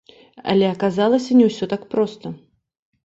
Але аказалася, не ўсё так проста.